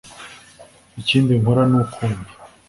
ikindi nkora ni ukumva